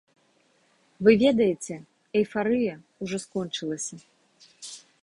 Вы ведаеце, эйфарыя ўжо скончылася.